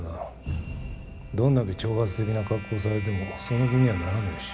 どんだけ挑発的な格好されてもその気にはならねえし。